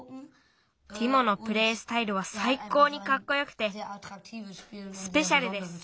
ティモのプレースタイルはさいこうにかっこよくてスペシャルです。